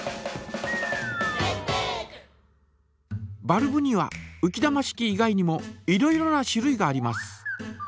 バルブにはうき玉式以外にもいろいろな種類があります。